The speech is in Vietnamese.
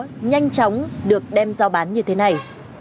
những tấm vé nhanh chóng được đem giao bán như thế này